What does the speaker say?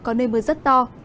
có nơi mưa rất to